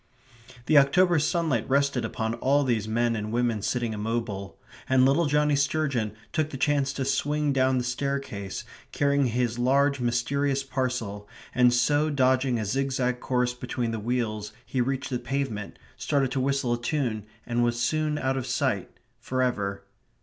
The October sunlight rested upon all these men and women sitting immobile; and little Johnnie Sturgeon took the chance to swing down the staircase, carrying his large mysterious parcel, and so dodging a zigzag course between the wheels he reached the pavement, started to whistle a tune and was soon out of sight for ever.